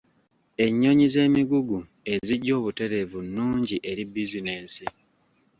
Ennyonyi z'emigugu ezijja obutereevu nnungi eri bizinensi.